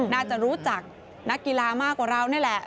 น่าจะรู้จักนักกีฬามากกว่าเรานี่แหละ